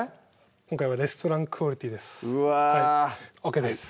今回はレストランクオリティーですＯＫです